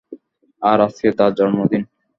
আরে আজকে তার জন্মদিন!